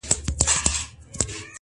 لس کلونه یې تر مرګه بندیوان وو٫